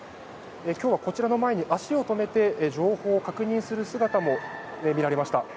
今日はこちらの前に足を止めて情報を確認する人の姿も見られました。